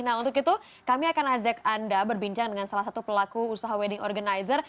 nah untuk itu kami akan ajak anda berbincang dengan salah satu pelaku usaha wedding organizer